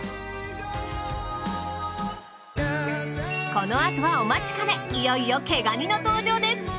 このあとはお待ちかねいよいよ毛ガニの登場です。